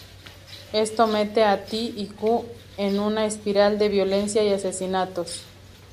Esto mete a T y Ko en una espiral de violencia y asesinatos.